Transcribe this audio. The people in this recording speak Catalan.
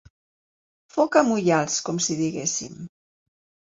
Foca amb ullals, com si diguéssim.